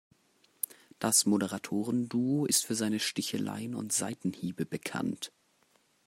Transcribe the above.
Das Moderatoren-Duo ist für seine Sticheleien und Seitenhiebe bekannt.